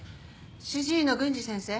主治医の郡司先生